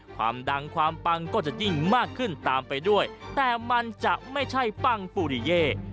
ความดังความปังก็จะยิ่งมากขึ้นตามไปด้วยแต่มันจะไม่ใช่ปังปุริเย่